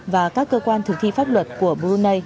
và các cơ quan thực thi pháp luật của brunei